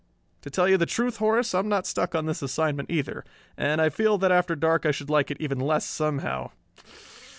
"To tell you the truth, Horace, I'm not stuck on this assignment either. And I feel that after dark I should like it even less, somehow.